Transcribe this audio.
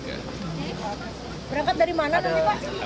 berangkat dari mana tadi pak